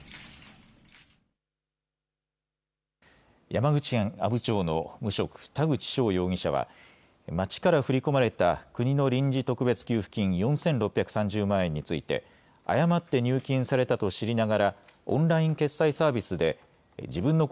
山口県阿武町の無職、田口翔容疑者は町から振り込まれた国の臨時特別給付金４６３０万円について誤って入金されたと知りながらオンライン決済サービスで自分の